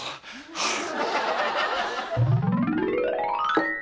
はあ。